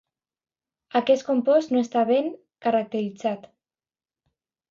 Aquest compost no està ben caracteritzat.